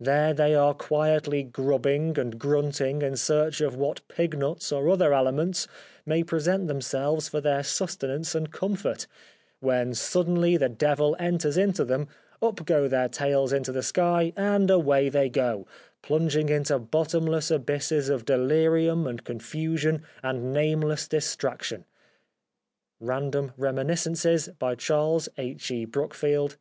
There they are quietly grubbing and grunting in search of what pignuts or other aliments may present themselves for their sustenance and comfort, when suddenly the devil enters into them, up go their tails into the sky, and away they go, plunging into bottomless abysses of delirium and confusion and nameless distraction "(" Random Reminiscences,'' by Charles H. E. Brookfield).